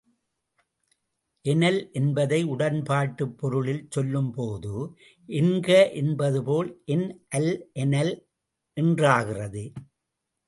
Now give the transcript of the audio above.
எனல் என்பதை உடன்பாட்டுப் பொருளில் சொல்லும் போது, என்க என்பது போல் என் அல் எனல் என்றாகிறது.